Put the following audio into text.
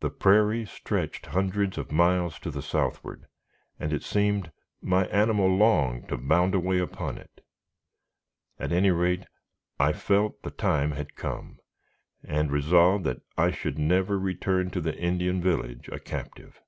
The prairie stretched hundreds of miles to the southward, and it seemed my animal longed to bound away upon it. At any rate, I felt the time had come, and resolved that I should never return to the Indian village a captive.